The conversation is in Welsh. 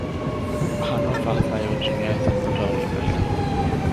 Mae gwahanol fathau o driniaeth yn bodoli, felly.